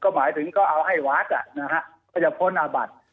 หมายถึงก็เอาให้วัดก็จะพ้นอาบัติ